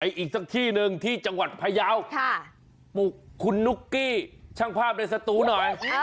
อีกสักที่หนึ่งที่จังหวัดพยาวปลุกคุณนุ๊กกี้ช่างภาพในสตูหน่อย